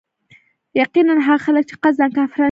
يقيناً هغه خلک چي قصدا كافران شوي